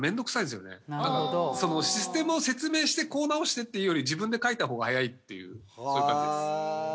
システムを説明してこう直してって言うより自分で書いた方が早いっていうそういう感じです。